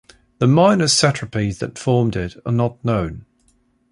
The minor satrapies that formed it are not known.